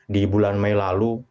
di bulan mei lalu